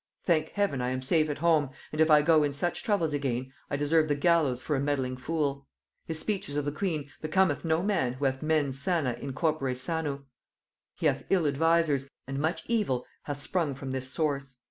Thank heaven I am safe at home, and if I go in such troubles again, I deserve the gallows for a meddling fool. His speeches of the queen becometh no man who hath mens sana in corpore sano. He hath ill advisers, and much evil hath sprung from this source.